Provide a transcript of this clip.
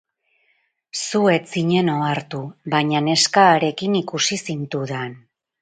Zu ez zinen ohartu baina neska harekin ikusi zintudan.